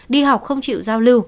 đi học không chịu giao lưu